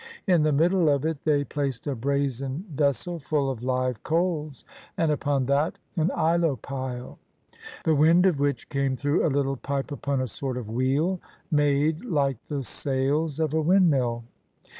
In the middle of it they placed a brazen vessel full of live coals, and upon that an aeolipile, the wind of which came through a Uttle pipe upon a sort of wheel made like the sails of a windmill.